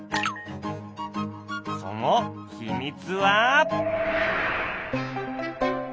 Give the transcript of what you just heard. その秘密は。